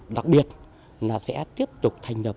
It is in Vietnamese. đặc biệt là sẽ tiếp tục thành lập